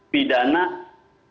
pidana perencanaan terorisme